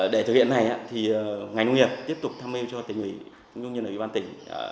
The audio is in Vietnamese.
để thực hiện này ngành nông nghiệp tiếp tục thăm mê cho tỉnh bình tĩnh